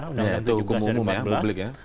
undang undang tujuh belas dan empat belas